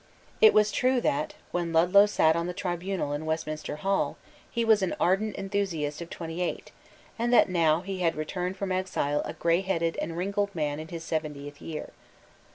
It was true that, when Ludlow sate on the tribunal in Westminster Hall, he was an ardent enthusiast of twenty eight, and that he now returned from exile a greyheaded and wrinkled man in his seventieth year.